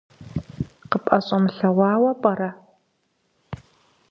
КъыпӀэщӀэмылъэгъуауэ пӀэрэ?